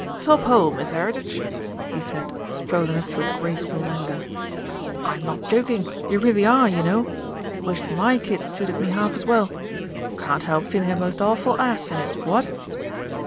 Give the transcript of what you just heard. "Tophole, Miss Heritage!" he said, strolling up with graceful languor. "I'm not joking you really are, you know! Wish my kit suited me half as well! Can't help feeling a most awful ass in it, what?"